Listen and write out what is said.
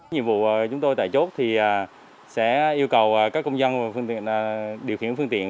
nhiệm vụ chúng tôi tại chốt thì sẽ yêu cầu các công dân điều khiển phương tiện